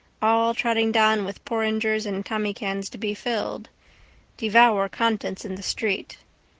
All trotting down with porringers and tommycans to be filled. Devour contents in the street.